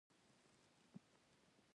غول د کولمو حساسیت ښيي.